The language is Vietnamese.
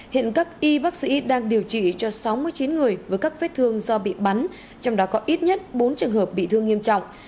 hiện các y bác sĩ đang điều trị cho sáu mươi chín người với các vết thương do bị bắn trong đó có ít nhất bốn trường hợp bị thương nghiêm trọng